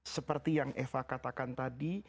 seperti yang eva katakan tadi